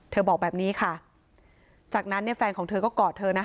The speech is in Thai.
บอกแบบนี้ค่ะจากนั้นเนี่ยแฟนของเธอก็กอดเธอนะ